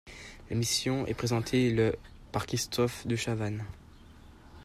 L'émission est présentée le par Christophe Dechavanne.